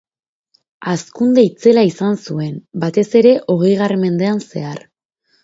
Hazkunde itzela izan zuen, batez ere, hogeigarren mendean zehar.